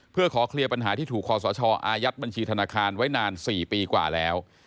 เพื่อขอเคลียร์ปัญหาที่ถูกคอสชอายัดบัญชีธนาคารไว้นาน๔ปีกว่าแล้ว